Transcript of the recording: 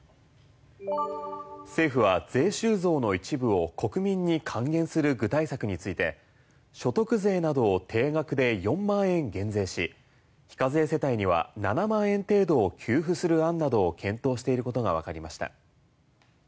政府は税収増の一部を国民に還元する具体策について所得税などを定額で４万円減税し非課税世帯には７万円程度を給付する案などを検討していることがわかりました。